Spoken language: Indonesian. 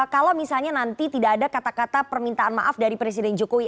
kalau misalnya nanti tidak ada kata kata permintaan maaf dari presiden jokowi